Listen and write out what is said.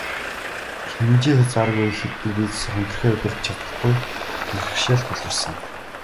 Хэмжээ хязгааргүй их иддэг, бие засах, хүндрэхээ удирдаж чадахгүй бэрхшээл тулгарсан.